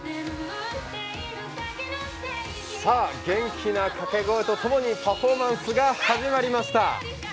元気なかけ声とともにパフォーマンスが始まりました。